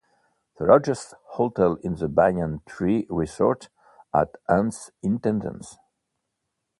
The largest hotel is the Banyan Tree Resort at Anse Intendance.